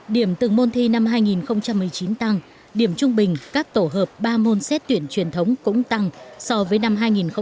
điểm từng môn thi năm hai nghìn một mươi chín tăng điểm trung bình các tổ hợp ba môn xét tuyển truyền thống cũng tăng so với năm hai nghìn một mươi tám